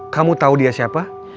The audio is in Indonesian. kamu tahu dia siapa